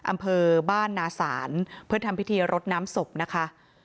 อำเภอบ้านนาศาลเพื่อทำพิธีรดน้ำศพนะคะ